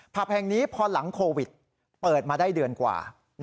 ผับแห่งนี้พอหลังโควิดเปิดมาได้เดือนกว่า